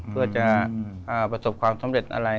เพื่อจะประสบความสำเร็จอะไร